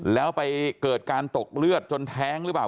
แล้วไปเกิดการตกเลือดจนแท้งหรือเปล่า